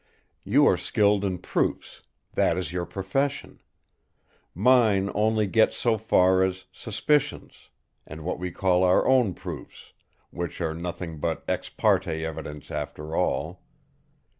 You are skilled in proofs; that is your profession. Mine only gets so far as suspicions, and what we call our own proofs—which are nothing but ex parte evidence after all.